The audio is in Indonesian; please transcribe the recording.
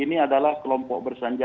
ini adalah kelompok bersenjata